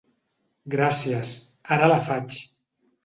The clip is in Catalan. Gràcies, ara la faig!